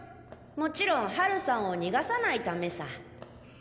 もちろんハルさんを逃がさないためさ！